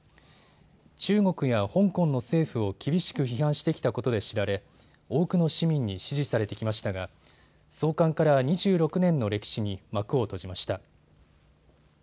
中国や香港の政府を厳しく批判してきたことで知られ、多くの市民に支持されてきましたが創刊から２６年の歴史に幕を閉じました。